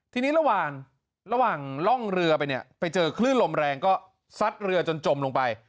ทีนี้ระหว่างระหว่างร่องเรือไปเนี่ยไปเจอคลื่นลมแรงก็ซัดเรือจนจมลงไป